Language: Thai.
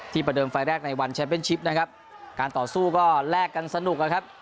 ประเดิมไฟล์แรกในวันแชมเป็นชิปนะครับการต่อสู้ก็แลกกันสนุกนะครับ